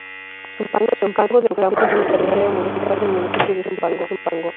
Zumpango de Ocampo, es una ciudad y cabecera municipal del municipio de Zumpango.